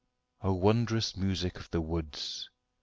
Oh, wondrous music of the woods!